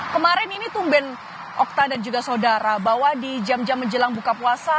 kemarin ini tumben oktan dan juga saudara bahwa di jam jam menjelang buka puasa